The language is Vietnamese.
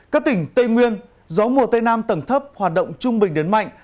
các tỉnh tây nguyên gió mùa tây nam tầng thấp hoạt động trung bình đến mạnh